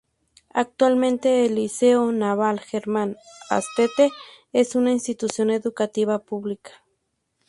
Actualmente el Liceo Naval Germán Astete es una Institución Educativa Pública.